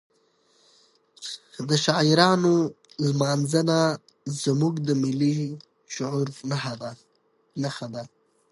د شاعرانو لمانځنه زموږ د ملي شعور نښه ده.